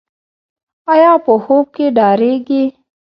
ایا په خوب کې ډاریږي؟